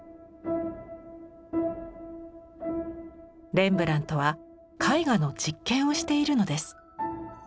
レンブラントは絵画の実験をしているのです。